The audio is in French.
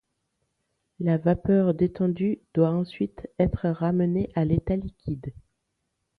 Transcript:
La vapeur détendue doit ensuite être ramenée à l'état liquide.